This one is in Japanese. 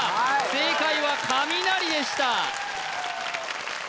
正解は雷でした